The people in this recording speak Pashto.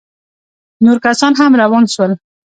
نور کسان هم روان سول.